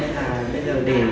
nên là bây giờ để